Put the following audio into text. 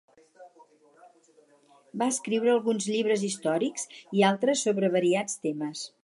Va escriure alguns llibres històrics i altres sobre variats temes.